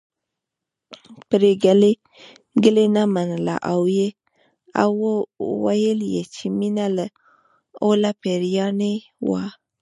پري ګلې نه منله او ويل يې چې مينه له اوله پيريانۍ وه